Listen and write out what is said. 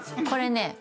これね。